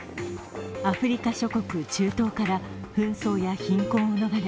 アフリカ諸国、中東から紛争や貧困を逃れ